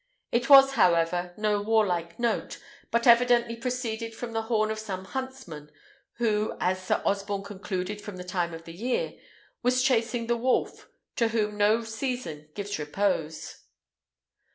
It was, however, no warlike note, but evidently proceeded from the horn of some huntsman, who, as Sir Osborne concluded from the time of the year, was chasing the wolf, to whom no season gives repose.